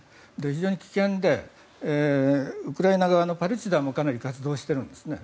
非常に危険でウクライナ側のパルチザンもかなり活動しているんですね。